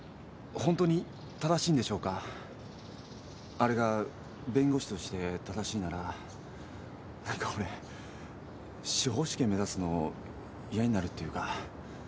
あれが弁護士として正しいなら何か俺司法試験目指すの嫌になるっていうか。